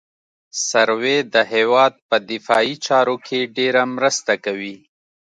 سروې د هېواد په دفاعي چارو کې ډېره مرسته کوي